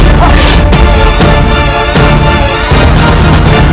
aku akan mencari penyelesaianmu